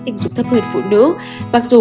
tình dục thấp hơn phụ nữ mặc dù